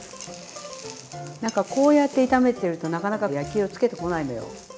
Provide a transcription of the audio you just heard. なんかこうやって炒めてるとなかなか焼き色つけてこないのよ。